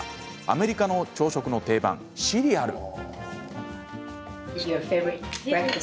アメリカの朝食の定番、シリアル。